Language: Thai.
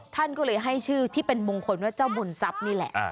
ท่านก็เลยให้ชื่อที่เป็นมงคลว่าเจ้าบุญทรัพย์นี่แหละ